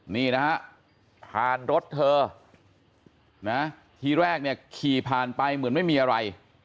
นี่นะฮะผ่านรถเธอนะทีแรกเนี่ยขี่ผ่านไปเหมือนไม่มีอะไร